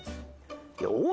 よし！